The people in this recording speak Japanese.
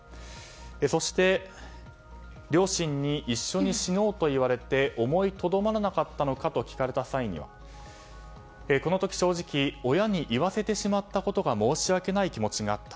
そして、両親に一緒に死のうと言われて思いとどまらなかったのかと聞かれた際にはこの時、正直親に言わせてしまったことが申し訳ない気持ちがあった。